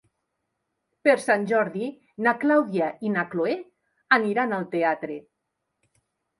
Per Sant Jordi na Clàudia i na Cloè aniran al teatre.